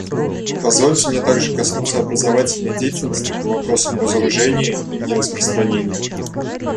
Позвольте мне также коснуться образовательной деятельности по вопросам разоружения и нераспространения.